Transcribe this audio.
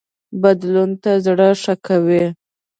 بدلون ته زړه ښه کوي